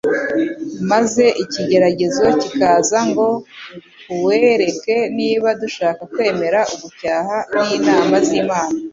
maze ikigeragezo kikaza ngo kuwereke niba dushaka kwemera ugucyaha n'inama z'Imana.